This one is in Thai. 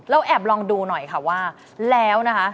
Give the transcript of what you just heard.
แอบลองดูหน่อยค่ะว่าแล้วนะคะ